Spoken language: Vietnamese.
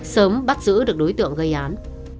sớm bắt giữ được đối tượng gây án